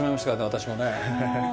私もね。